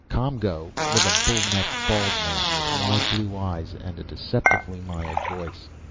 ComGO was a bull necked bald man with wide blue eyes, a deceptively mild voice.